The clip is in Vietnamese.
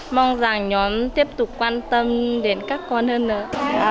mong rằng nhóm tiếp tục quan tâm đến các con hơn nữa